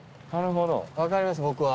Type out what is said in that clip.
分かります僕は。